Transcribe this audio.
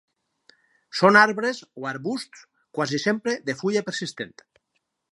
Són arbres o arbusts quasi sempre de fulla persistent.